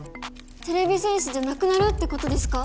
てれび戦士じゃなくなるってことですか？